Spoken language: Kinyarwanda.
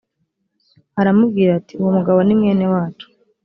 aramubwira ati uwo mugabo ni mwene wacu